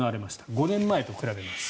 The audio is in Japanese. ５年前と比べます。